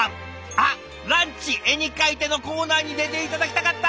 あっ「ランチ絵に描いて」のコーナーに出て頂きたかった。